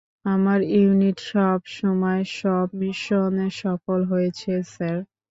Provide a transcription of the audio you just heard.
আমার ইউনিট সবসময় সব মিশনে সফল হয়েছে, স্যার।